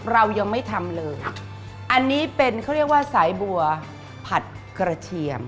เรายังไม่ทำเลยอันนี้เป็นเขาเรียกว่าสายบัวผัดกระเทียม